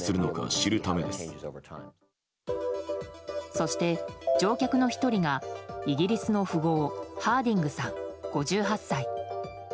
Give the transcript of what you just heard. そして乗客の１人がイギリスの富豪ハーディングさん、５８歳。